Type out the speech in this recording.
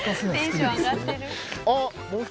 テンション上がってる。